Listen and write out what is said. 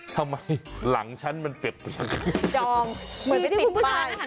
ทำไมหลังฉันเป็นเจ็บจองเหมือนไปติดป้าย